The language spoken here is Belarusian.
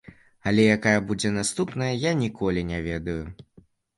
Але якая будзе наступная, я ніколі не ведаю.